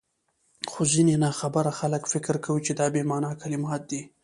خو ځيني ناخبره خلک فکر کوي چي دا بې مانا کلمات دي،